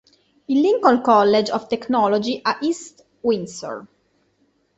Il Lincoln College of Technology a East Windsor.